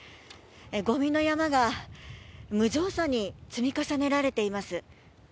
ゴミの山が無造作に積み重ねられています。